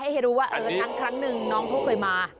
เออให้รู้ว่าน่ะครั้งนึงน้องเขาเคยมา